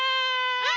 うん！